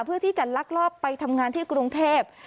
เพื่อที่จะลักลอบไปทำงานที่กรุงเทพ